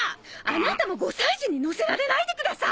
アナタも５歳児にのせられないでください！